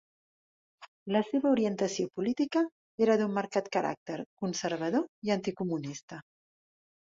La seva orientació política era d'un marcat caràcter conservador i anticomunista.